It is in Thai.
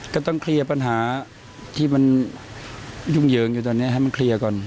ก็ต้องเคลียร์ปัญหาที่มันยุ่งเหยิงอยู่ตอนนี้ให้มันเคลียร์ก่อน